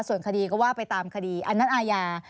ส่วนคดีก็ว่าไปตามคดีอันนั้นอาญา